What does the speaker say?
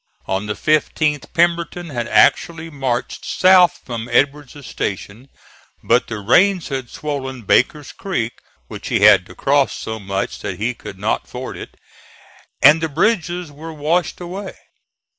On the 15th Pemberton had actually marched south from Edward's station, but the rains had swollen Baker's Creek, which he had to cross so much that he could not ford it, and the bridges were washed away.